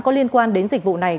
có liên quan đến dịch vụ này